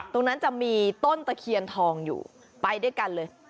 ตรงนั้นจะมีต้นตะเคียนทองอยู่ไปด้วยกันเลย